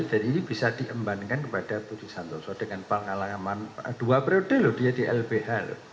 dan ini bisa diembankan kepada budi santoso dengan pengalaman dua prioritas loh dia di lbh